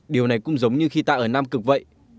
điều này cũng giống như khi ta ở nam cực vậy